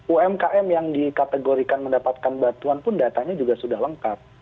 umkm yang dikategorikan mendapatkan batuan pun datanya juga sudah lengkap